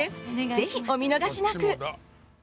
ぜひお見逃しなく！